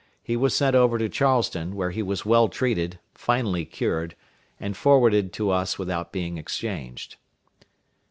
He was sent over to Charleston, where he was well treated, finally cured, and forwarded to us without being exchanged.